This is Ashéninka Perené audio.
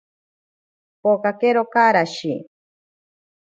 Pokero karashi.